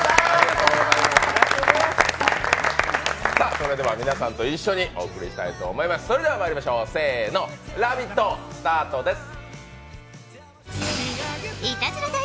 それでは皆さんと一緒にお送りしたいと思います、まいりましょう、せーの、「ラヴィット！」スタートです。